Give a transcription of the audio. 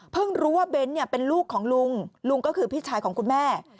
รู้ว่าเบ้นเป็นลูกของลุงลุงก็คือพี่ชายของคุณแม่